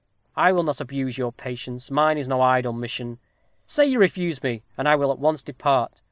I will not abuse your patience. Mine is no idle mission. Say you refuse me, and I will at once depart.